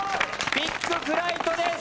ビッグフライトです。